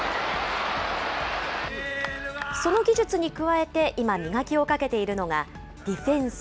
その技術に加えて、今、磨きをかけているのがディフェンス。